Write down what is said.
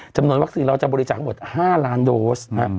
จำนวนวัคซีนเราจะบริจาคหมด๕ล้านโดส